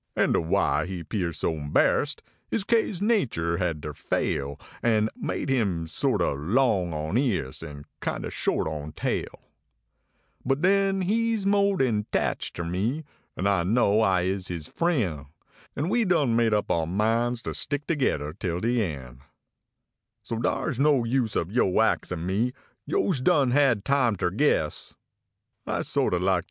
An de why he pears embarrass d is kase nature had ter fail An made im sort o long on ears, en kind o short on tail ; But den he s mo den tatched ter me, and know I is his frien An we done made up our mind ter stick tergedder ter de end; So dars no use ob yo axin me, yo s done had time ter guess I so t o like de ole mule bes